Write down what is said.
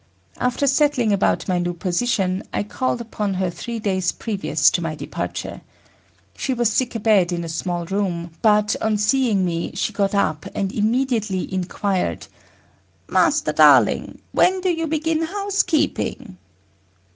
After settling about my new position, I called upon her three days previous to my departure. She was sick abed in a small room, but, on seeing me she got up and immediately inquired; "Master Darling, when do you begin housekeeping?"